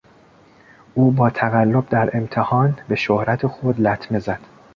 او با تقلب در امتحان به شهرت خود لطمه زد.